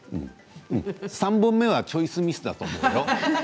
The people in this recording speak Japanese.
３本目はチョイスミスだと思うよ。